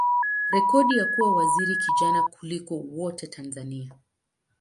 rekodi ya kuwa waziri kijana kuliko wote Tanzania.